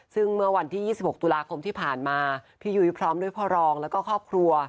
ซึ่งเมื่อวันที่๒๖ตุลาคมที่ผ่านมาพี่ยุ้ยพร้อมด้วยพ่อรองแล้วก็ครอบครัว